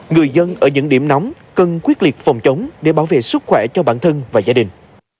người dân ở những điểm nóng cần quyết liệt phòng chống để bảo vệ sức khỏe cho bản thân và gia đình